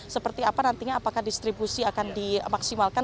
seperti apa nantinya apakah distribusi akan dimaksimalkan